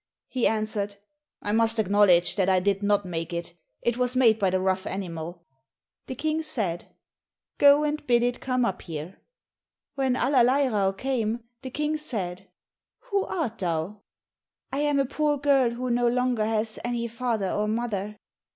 He answered, "I must acknowledge that I did not make it, it was made by the rough animal." The King said, "Go and bid it come up here." When Allerleirauh came, the King said, "Who art thou?" "I am a poor girl who no longer has any father or mother."